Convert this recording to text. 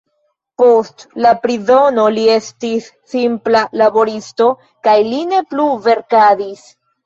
Post la prizono li estis simpla laboristo kaj li ne plu verkadis.